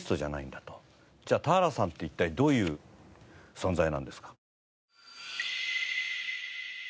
じゃあ田原さんって一体どういう存在なんですか？